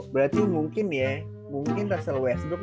berarti mungkin ya mungkin russell westwood